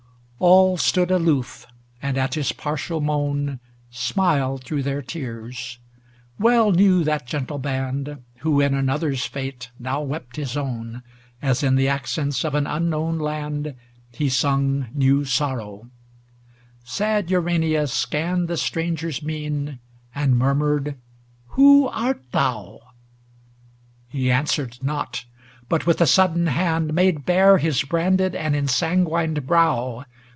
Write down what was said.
XXXIV All stood aloof, and at his partial moan Smiled through their tears; well knew that gentle band Who in another's fate now wept his own, As in the accents of an unknown land He sung new sorrow; sad Urania scanned The Stranger's mien, and murmured: < Who art thou ?* He answered not, but with a sudden hand Made bare his branded and ensanguined brow.